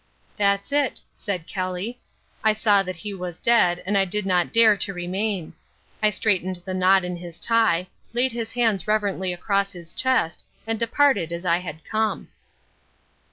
"That's it," said Kelly. "I saw that he was dead, and I did not dare to remain. I straightened the knot in his tie, laid his hands reverently across his chest, and departed as I had come."